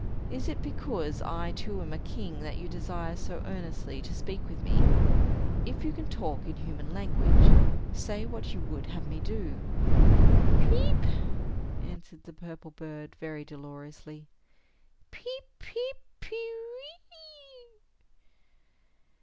Is it because I too am a king, that you desire so earnestly to speak with me? If you can talk in human language, say what you would have me do." "Peep!" answered the purple bird, very dolorously. "Peep, peep, pe we e!"